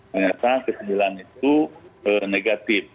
ternyata ke sembilan itu negatif